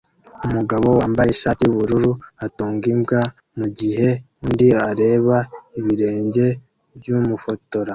Umugabo wambaye ishati yubururu atunga imbwa mugihe undi areba ibirenge byumufotora